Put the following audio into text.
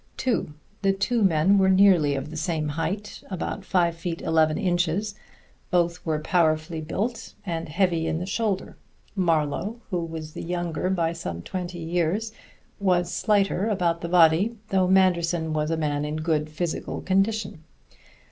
(2) The two men were nearly of the same height, about five feet, eleven inches; both were powerfully built and heavy in the shoulder; Marlowe, who was the younger by some twenty years, was slighter about the body, though Manderson was a man in good physical condition.